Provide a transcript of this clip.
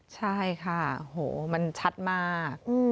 ใช่ค่ะโหมันชัดมาก